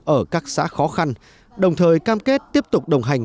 ở các xã khó khăn đồng thời cam kết tiếp tục đồng hành